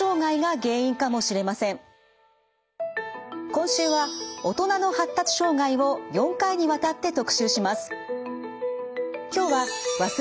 今週は大人の発達障害を４回にわたって特集します。